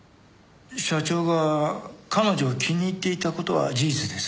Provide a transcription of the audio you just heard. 社長が彼女を気に入っていた事は事実です。